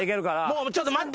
ちょっと待って。